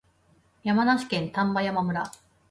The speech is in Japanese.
山梨県丹波山村